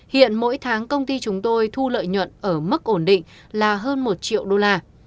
hiện mỗi tháng công ty chúng tôi thu lợi nhuận ở mức ổn định là hơn một triệu đô la